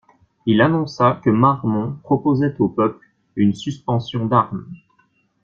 Il annonça que Marmont proposait au peuple une suspension d'armes.